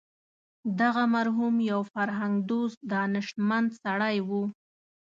دغه مرحوم یو فرهنګ دوست دانشمند سړی و.